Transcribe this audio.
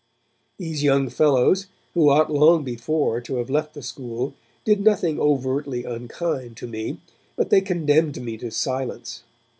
These young fellows, who ought long before to have left the school, did nothing overtly unkind to me, but they condemned me to silence.